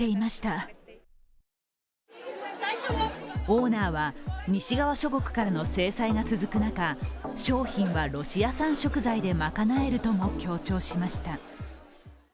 オーナーは西側諸国からの制裁が続く中、商品はロシア産食材で賄えるとも強調しました。